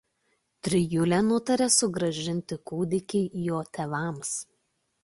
Trijulė nutaria sugrąžinti kūdikį jo tėvams.